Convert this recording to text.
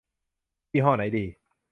ยี่ห้อไหนดี